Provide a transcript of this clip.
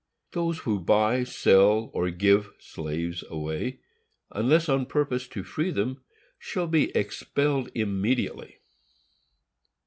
Those who buy, sell, or give [slaves] away, unless on purpose to free them, shall be expelled immediately.